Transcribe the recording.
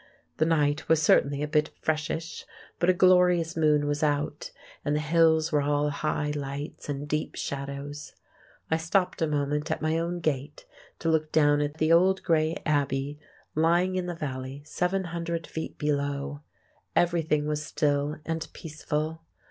The night was certainly a bit freshish, but a glorious moon was out, and the hills were all high lights and deep shadows. I stopped a moment at my own gate, to look down at the old grey Abbey lying in the valley seven hundred feet below. Everything was still and peaceful.